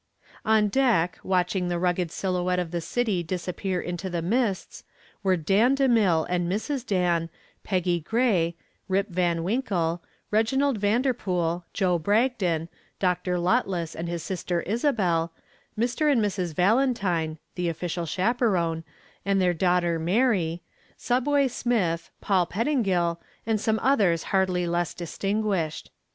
On deck, watching the rugged silhouette of the city disappear into the mists, were Dan DeMille and Mrs. Dan, Peggy Gray, "Rip" Van Winkle, Reginald Vanderpool, Joe Bragdon, Dr. Lotless and his sister Isabel, Mr. and Mrs. Valentine the official chaperon and their daughter Mary, "Subway" Smith, Paul Pettingill, and some others hardly less distinguished.